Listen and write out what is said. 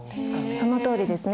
そのとおりですね。